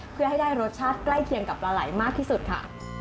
เพื่อให้ได้รสชาติใกล้เคียงกับปลาไหลมากที่สุดค่ะ